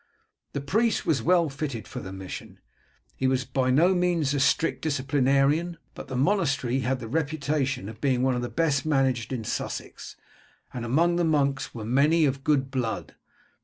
The priest was well fitted for the mission. He was by no means a strict disciplinarian, but the monastery had the reputation of being one of the best managed in Sussex, and among the monks were many of good blood.